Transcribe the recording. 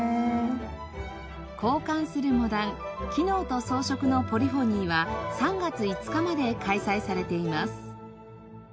「交歓するモダン機能と装飾のポリフォニー」は３月５日まで開催されています。